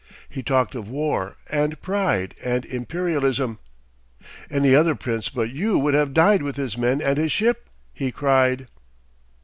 He talked of war and pride and Imperialism. "Any other Prince but you would have died with his men and his ship!" he cried.